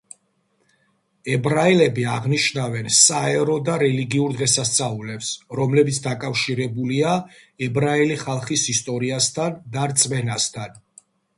ებრაელები აღნიშნავენ საერო და რელიგიურ დღესასწაულებს, რომლებიც დაკავშირებულია ებრაელი ხალხის ისტორიასთან და რწმენასთან.